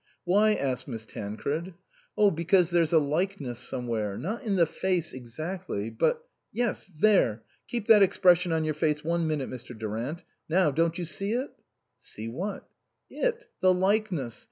" Why ?" asked Miss Tancred. " Oh, because there's a likeness somewhere. Not in the face exactly, but yes, there ! Keep that expression on your face one minute, Mr. Durant ; now don't you see it ?" "See what?" " It the likeness.